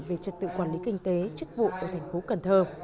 về trật tự quản lý kinh tế chức vụ ở thành phố cần thơ